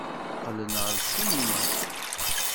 Qqlen ɣer ssinima.